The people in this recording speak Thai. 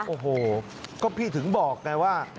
โอ้โหก็พี่ถึงบอกไงว่า